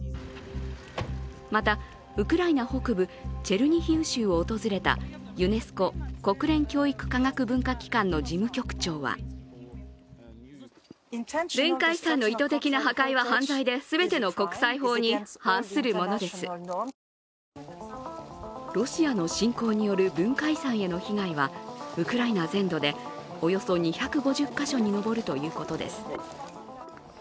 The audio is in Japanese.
また、ウクライナ北部チェルニヒウ州を訪れたユネスコ＝国連教育科学文化機関の事務局長はロシアの侵攻による文化遺産への被害はウクライナ全土でおよそ２５０か所に上るということです。